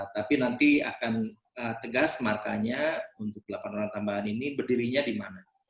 tapi nanti akan tegas markanya untuk delapan orang tambahan ini berdirinya di mana